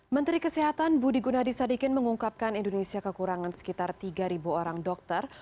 menteri kesehatan budi gunadisadikin mengungkapkan indonesia kekurangan sekitar tiga orang dokter